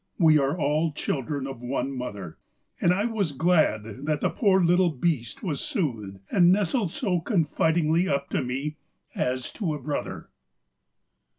We are all children of one mother, and I was glad that the poor little beast was soothed and nestled so confidingly up to me, as to a brother.